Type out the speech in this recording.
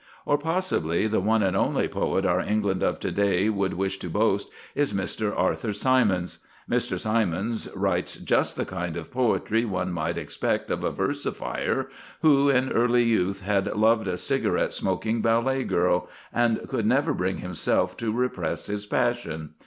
Or, possibly, the one and only poet our England of to day would wish to boast is Mr. Arthur Symons. Mr. Symons writes just the kind of poetry one might expect of a versifier who, in early youth, had loved a cigarette smoking ballet girl, and could never bring himself to repress his passion.